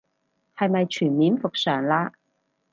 係咪全面復常嘞